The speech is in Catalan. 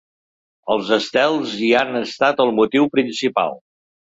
Els estels hi han estat el motiu principal.